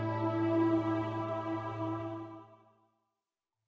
จากสมบัติศาสตร์